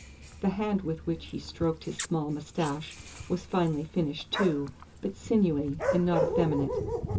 The hand with which he stroked his small moustache was finely finished too, but sinewy and not effeminate.